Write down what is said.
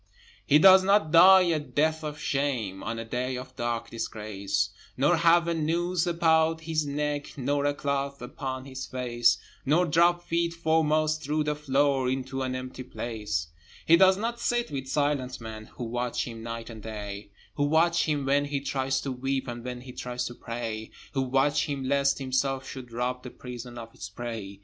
He does not die a death of shame On a day of dark disgrace, Nor have a noose about his neck, Nor a cloth upon his face, Nor drop feet foremost through the floor Into an empty place He does not sit with silent men Who watch him night and day; Who watch him when he tries to weep, And when he tries to pray; Who watch him lest himself should rob The prison of its prey.